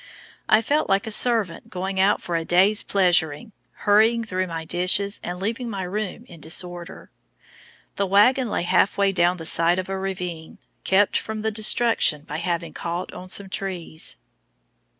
I felt like a servant going out for a day's "pleasuring," hurrying "through my dishes," and leaving my room in disorder. The wagon lay half way down the side of a ravine, kept from destruction by having caught on some trees.